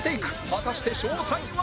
果たして正体は？